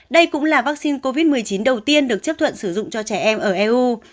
đây cũng là vaccine covid một mươi chín đầu tiên được chấp thuận sử dụng cho trẻ em ở eu